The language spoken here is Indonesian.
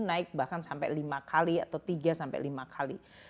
naik bahkan sampai lima kali atau tiga sampai lima kali